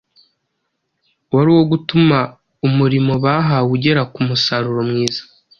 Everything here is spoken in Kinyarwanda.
wari uwo gutuma umurimo bahawe ugera ku musaruro mwiza;